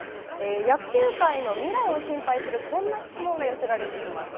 野球界の未来を心配するこんな質問が寄せられています。